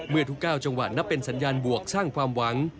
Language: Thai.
เมื่อทุก๙จังหวัดนับเป็นสัญญาณบวกสร้างความหวัง